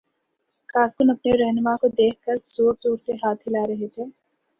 کارکن اپنے راہنما کو دیکھ کر زور زور سے ہاتھ ہلا رہے تھے۔